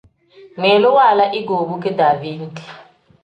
Ngmiilu waala igoobu kidaaveeniti.